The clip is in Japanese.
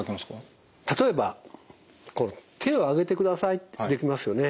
例えば手を上げてくださいってできますよね。